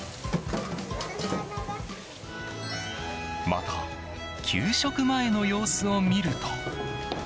また、給食前の様子を見ると。